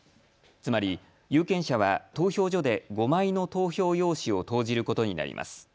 つまり有権者は投票所で５枚の投票用紙を投じることになります。